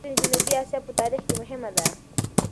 دا جګړه د جنوبي اسیا په تاریخ کې مهمه ده.